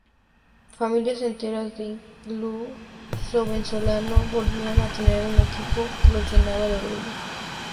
Familias enteras de luso-venezolanos volvían a tener un equipo que los llenaba de orgullo.